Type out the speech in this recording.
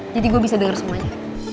jadi gue bisa denger semuanya